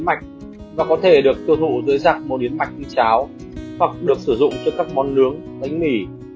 mạch và có thể được sử dụng dưới rạc món yến mạch như cháo hoặc được sử dụng cho các món nướng bánh mì